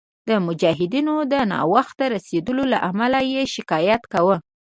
د مجاهدینو د ناوخته رسېدلو له امله یې شکایت کاوه.